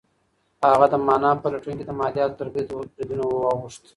هغه د مانا په لټون کې د مادیاتو تر بریدونو واوښت.